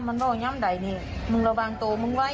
ไปเฮ็ดอย่างโต